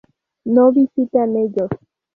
¿No visitan ellos?